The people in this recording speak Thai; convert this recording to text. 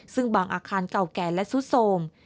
ซึ่งบางอาคารเก่าแก่และซุดโทรม